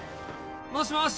もしもし！